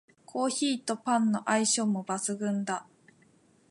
コーヒーとパンの相性も抜群だ